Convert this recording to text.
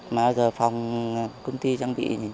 mà giờ phòng công ty trang bị